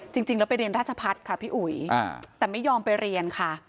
จริงแล้วไปเรียนราชพัฒน์ค่ะพี่อุ๋ยแต่ไม่ยอมไปเรียนค่ะ